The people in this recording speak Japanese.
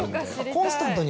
コンスタントに。